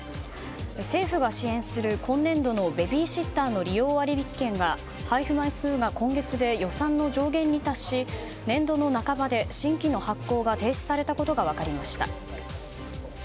政府が支援する今年度のベビーシッターの利用割引券が配布枚数が今月で予算の上限に達し年度の半ばで新規の発行が停止されたことが分かりました。